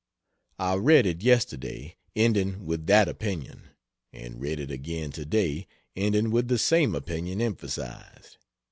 I read it yesterday, ending with that opinion; and read it again to day, ending with the same opinion emphasized.